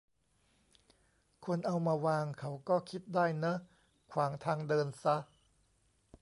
คนเอามาวางเขาก็คิดได้เนอะ ขวางทางเดินซะ